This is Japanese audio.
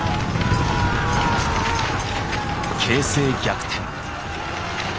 形勢逆転！